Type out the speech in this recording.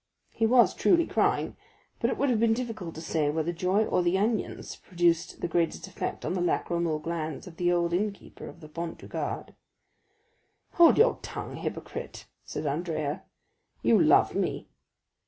He was truly crying, but it would have been difficult to say whether joy or the onions produced the greatest effect on the lachrymal glands of the old innkeeper of the Pont du Gard. "Hold your tongue, hypocrite," said Andrea; "you love me!"